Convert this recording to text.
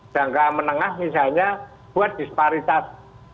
jangka menengah misalnya buat disparitas